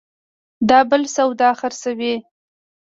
دا بل سودا خرڅوي